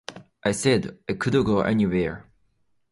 I said I could go anywhere.